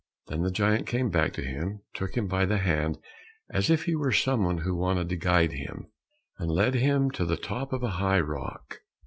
Then the giant came back to him, took him by the hand as if he were someone who wanted to guide him, and led him to the top of a high rock.